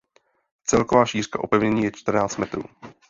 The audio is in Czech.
Celková šířka opevnění je čtrnáct metrů.